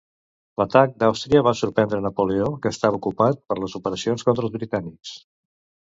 L'atac d'Àustria va sorprendre Napoleó, que estava ocupat per les operacions contra els britànics.